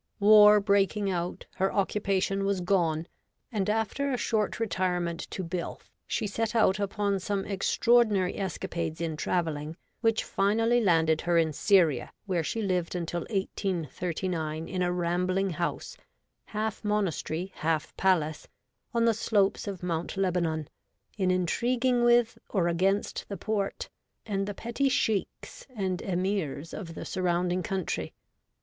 War breaking out, her occupation was gone, and, after a short retirement to Builth, she set Lady Hester SXAMIOPt. SOME OLD TIME TERMAGANTS. 93 out upon some extraordinary escapades in travelling which finally landed her in Syria, where she lived until 1839 in a rambling house — half monastery, half palace — on the slopes of Mount Lebanon, in triguing with or against the Porte, and the petty Sheiks and Emirs of the surrounding country.